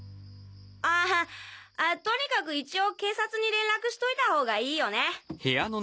ああとにかく一応警察に連絡しといた方がいいよね。